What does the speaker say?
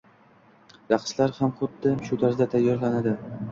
raqslar xam xuddi shu tarzda tayyorlanadi.